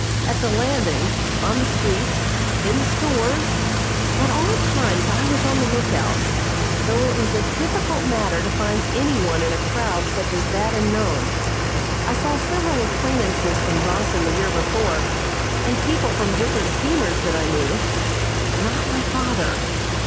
At the landing, on the streets, in the stores, at all times I was on the lookout, though it was a difficult matter to find any one in a crowd such as that in Nome. I saw several acquaintances from Dawson the year before, and people from different steamers that I knew, but not my father.